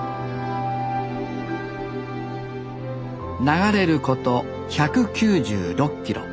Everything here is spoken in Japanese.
流れること１９６キロ。